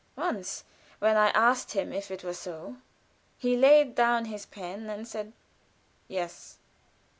Once when I asked him if it were so, he laid down his pen and said, "Yes."